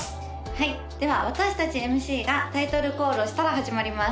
はいでは私達ＭＣがタイトルコールをしたら始まります